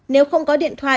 nếu không có điện thoại